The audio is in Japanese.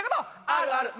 あるある。